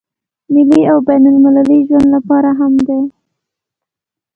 ملي او بين المللي ژوند لپاره هم دی.